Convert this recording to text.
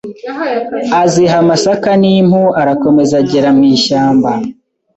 " Aziha amasaka n' impu Arakomeza agera mu ishyamba,